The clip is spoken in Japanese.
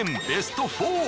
ベスト４！